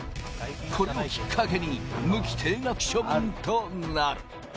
これをきっかけに、無期停学処分となる。